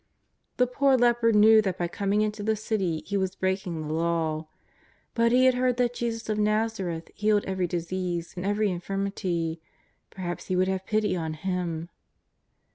This poor leper knew that by coming into the city he was breaking the Law. But he had heard that Jesus of Nazareth healed every disease and every infirmity, perhaps He would have pity on Him.